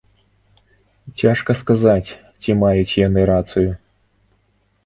Цяжка сказаць, ці маюць яны рацыю.